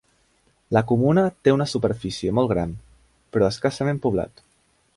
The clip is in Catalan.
La comuna té una superfície molt gran, però escassament poblat.